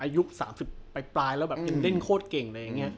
อายุ๓๐ไปแล้วเป็นเล่นโคตรเก่ง